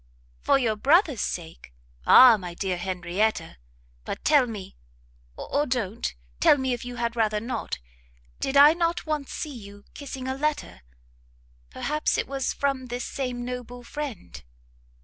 "For your brother's sake! Ah my dear Henrietta! but tell me, or don't tell me if you had rather not, did I not once see you kissing a letter? perhaps it was from this same noble friend?"